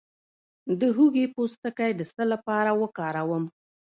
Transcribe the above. د هوږې پوستکی د څه لپاره وکاروم؟